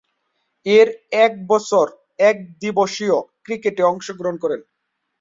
এর এক বছর একদিবসীয় ক্রিকেটে অংশগ্রহণ করেন।